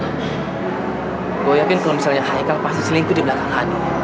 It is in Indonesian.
gue yakin kalau misalnya haikal pasti selingkuh di belakang adu